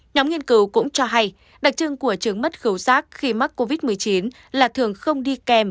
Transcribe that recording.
nhóm nghiên cứu cũng cho hay đặc trưng của chứng mất khẩu giác khi mắc covid một mươi chín là thường không đi kèm